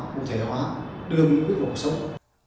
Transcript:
cụ thể hóa đưa những quyết định sống